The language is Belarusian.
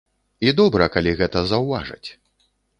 І добра, калі гэта заўважаць.